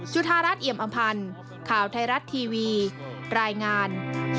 ธารัฐเอี่ยมอำพันธ์ข่าวไทยรัฐทีวีรายงาน